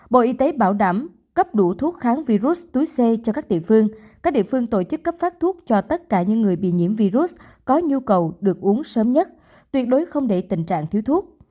bộ y tế bảo đảm cấp đủ thuốc kháng virus túi c cho các địa phương các địa phương tổ chức cấp phát thuốc cho tất cả những người bị nhiễm virus có nhu cầu được uống sớm nhất tuyệt đối không để tình trạng thiếu thuốc